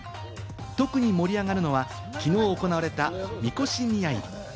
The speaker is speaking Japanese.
特に盛り上がるのは昨日行われた神輿宮入。